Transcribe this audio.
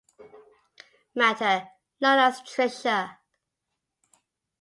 Matter, known as Tricia.